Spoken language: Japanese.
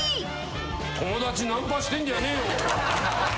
「友達ナンパしてんじゃねえよ！」